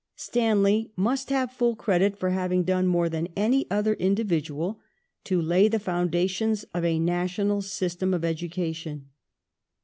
Stanley must have full credit for having done more than any other individual to lay the foundations of a National System of education.